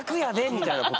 みたいなこと。